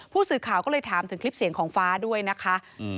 ผู้สื่อข่าวก็เลยถามถึงคลิปเสียงของฟ้าด้วยนะคะ